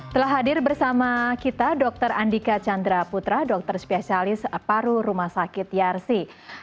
telah hadir bersama kita dr andika chandra putra dokter spesialis paru rumah sakit yarsi